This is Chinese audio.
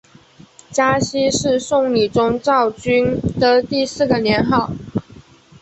嘉熙是宋理宗赵昀的第四个年号。